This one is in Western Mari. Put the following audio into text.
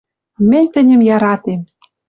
Мӹнь тӹньӹм яратем.